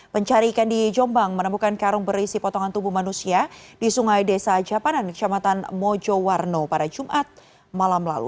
pencari ikan di jombang menemukan karung berisi potongan tubuh manusia di sungai desa japanan kecamatan mojowarno pada jumat malam lalu